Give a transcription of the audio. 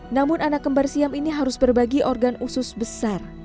namun anak kembar siam ini harus berbagi organ usus besar